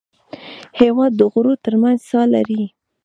هېواد د غرو تر منځ ساه لري.